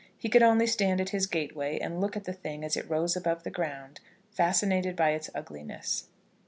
He could only stand at his gateway, and look at the thing as it rose above the ground, fascinated by its ugliness.